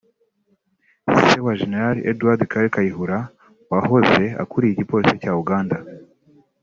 se wa Gen Edward Kale Kayihura wahoze akuriye Igipolisi cya Uganda